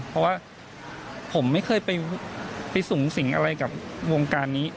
เพราะว่าผมไม่เคยไปสูงสิงอะไรกับวงการนี้